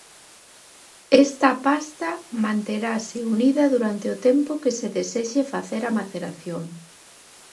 Esta pasta manterase unida durante o tempo que se desexe facer a maceración.